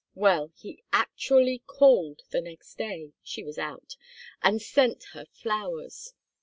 Well, he actually called the next day she was out and sent her flowers.